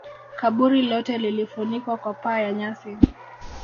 Kaburi lote lilifunikwa kwa paa ya nyasi